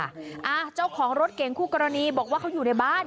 เจ้าของรถเก่งคู่กรณีบอกว่าเขาอยู่ในบ้าน